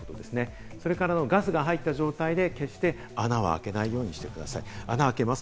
ということですね、それからガスが入った状態で決して穴は開けないようにしてください。